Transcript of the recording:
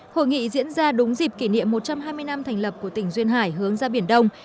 hội nghị diễn ra đúng dịp kỷ niệm một trăm hai mươi năm thành lập của tỉnh duyên hải hướng ra biển đông